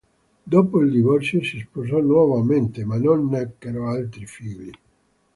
Dopo il divorzio si sposò nuovamente, ma non nacquero altri figli.